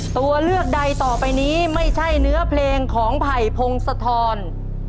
ตัวเลือกใดต่อไปนี้ไม่ใช่เนื้อเพลงของไผ่พงศธร